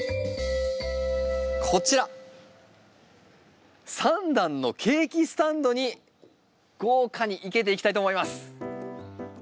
こちら３段のケーキスタンドに豪華に生けていきたいと思います。